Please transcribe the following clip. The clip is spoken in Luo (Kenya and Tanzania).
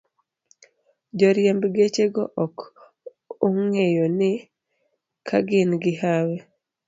Joriemb gechego ok ong'eyo ni ka gin gi hawi